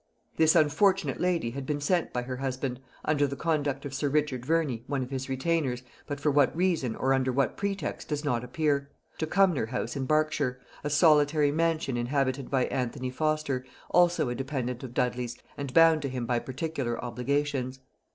This unfortunate lady had been sent by her husband, under the conduct of sir Richard Verney, one of his retainers, but for what reason or under what pretext does not appear, to Cumnor House in Berkshire, a solitary mansion inhabited by Anthony Foster, also a dependent of Dudley's and bound to him by particular obligations.